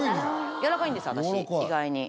柔らかいんです私意外に。